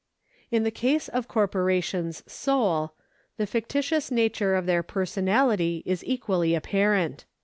In the case of corporations sole, the fictitious nature of their personality is equally apparent.